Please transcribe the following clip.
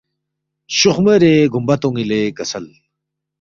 شوخمو رے گومبہ تونگی لے کسل